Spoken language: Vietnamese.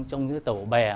trong cái tàu bè